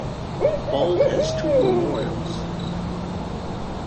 Bald has two memorials.